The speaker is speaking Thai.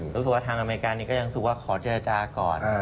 รู้สึกว่าทางอเมริกานี้ก็ยังรู้สึกว่าขอเจรจาก่อน